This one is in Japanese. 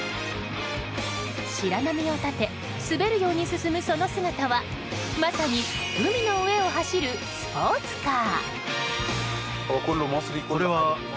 白波を立て滑るように進むその姿はまさに海の上を走るスポーツカー。